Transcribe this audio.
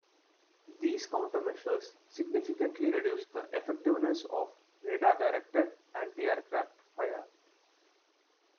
These countermeasures significantly reduced the effectiveness of radar-directed anti-aircraft fire.